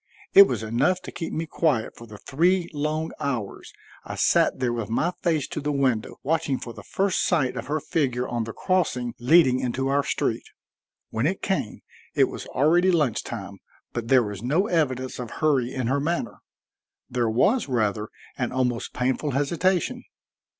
It was enough to keep me quiet for the three long hours I sat there with my face to the window, watching for the first sight of her figure on the crossing leading into our street. When it came, it was already lunch time, but there was no evidence of hurry in her manner; there was, rather, an almost painful hesitation.